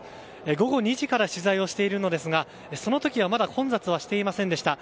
午後２時から取材をしているんですがその時はまだ混雑はしていませんでした。